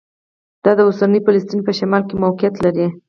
دا د اوسني فلسطین په شمال کې موقعیت لري.